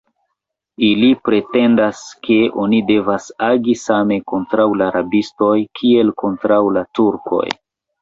Ili pretendas, ke oni devas agi same kontraŭ la rabistoj, kiel kontraŭ la Turkoj.